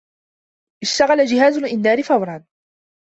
اشتغل جهاز الإنذار فورا.